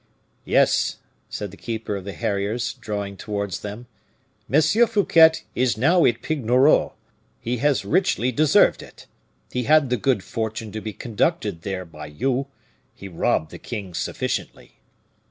"Yes," said the keeper of the harriers, drawing towards them, "M. Fouquet is now at Pignerol; he has richly deserved it. He had the good fortune to be conducted there by you; he robbed the king sufficiently."